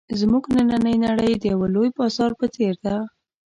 زموږ نننۍ نړۍ د یوه لوی بازار په څېر ده.